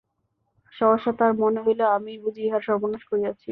সহসা তাহার মনে হইল আমিই বুঝি ইহার সর্বনাশ করিয়াছি।